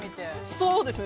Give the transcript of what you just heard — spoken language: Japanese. ◆そうですね